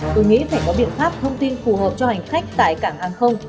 tôi nghĩ phải có biện pháp thông tin phù hợp cho hành khách tại cảng hàng không